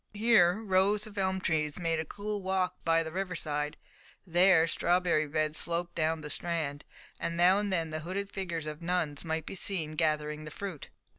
Here rows of elm trees made a cool walk by the river side, there strawberry beds sloped down the Strand, and now and then the hooded figures of nuns might be seen gathering the fruit.